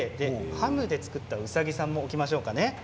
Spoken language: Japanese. ハムで作ったうさぎさんもいきましょうかね。